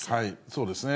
そうですね。